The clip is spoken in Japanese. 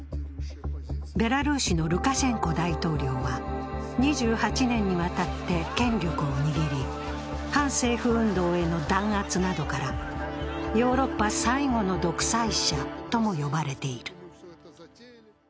ベラルーシのルカシェンコ大統領は２８年にわたって権力を握り反政府運動への弾圧などから、ヨーロッパ最後の独裁者とも呼ばれている。